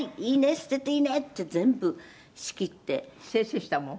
捨てていいね？って全部仕切って」「清々したもの？」